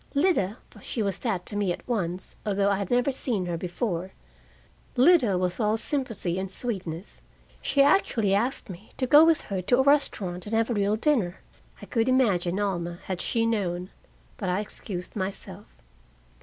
Lida for she was that to me at once, although I had never seen her before Lida was all sympathy and sweetness. She actually asked me to go with her to a restaurant and have a real dinner. I could imagine Alma, had she known! But I excused myself.